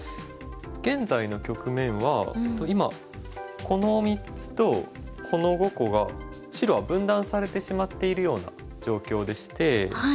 現在の局面は今この３つとこの５個が白は分断されてしまっているような状況でして。